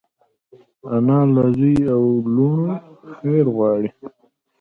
انا له زوی او لوڼو خیر غواړي